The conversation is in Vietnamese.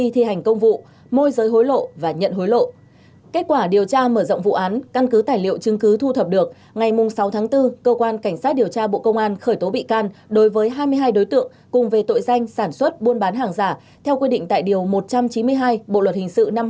theo quy định tại điều một trăm chín mươi hai bộ luật hình sự năm hai nghìn một mươi năm